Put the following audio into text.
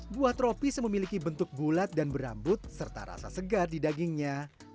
buah tropis memiliki bentuk bulat dan berambut serta rasa segar di dagingnya